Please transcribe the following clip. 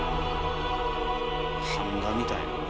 版画みたい。